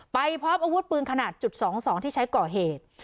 ไปพบอาวุธปืนขนาด๒๒ที่ใช้ก่อเหตุ